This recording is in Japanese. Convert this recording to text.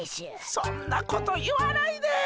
そんなこと言わないで。